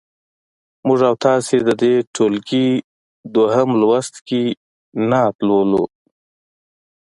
موږ او تاسو د دې ټولګي دویم لوست کې نعت لولو.